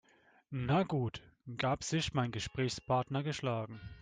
Na gut, gab sich mein Gesprächspartner geschlagen.